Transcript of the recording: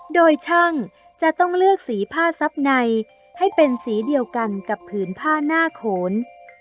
โดยช่างจะต้องเลือกสีผ้าซับในให้เป็นสีเดียวกันกับผืนผ้าหน้าโขน